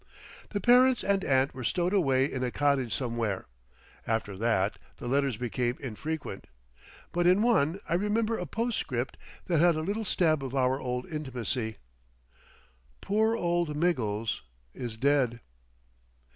The parents and aunt were stowed away in a cottage somewhere. After that the letters became infrequent. But in one I remember a postscript that had a little stab of our old intimacy: "Poor old Miggles is dead."